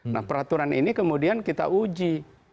nah peraturan ini kemudian kita uji